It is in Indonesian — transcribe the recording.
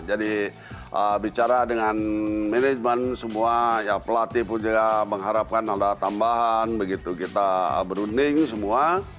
jadi bicara dengan manajemen semua ya pelatih pun juga mengharapkan ada tambahan begitu kita berunding semua